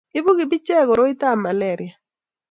ibuu kibichek koroitab malaria